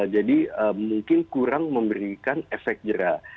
jadi mungkin kurang memberikan efek jera